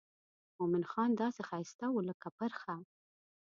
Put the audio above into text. مومن خان داسې ښایسته و لکه پرخه.